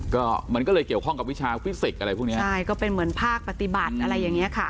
ก็มันก็เลยเกี่ยวข้องกับวิชาฟิสิกส์อะไรพวกเนี้ยใช่ก็เป็นเหมือนภาคปฏิบัติอะไรอย่างเงี้ยค่ะ